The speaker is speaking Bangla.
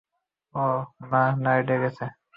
ওহ, না, লাইট ও গেছে?